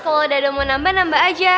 kalo dado mau nambah nambah aja